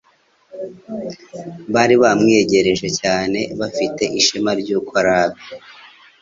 Bari bamwiyegereje cyane, bafite ishema ty'uko ari abe.